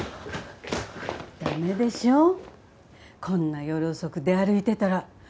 駄目でしょこんな夜遅く出歩いてたら。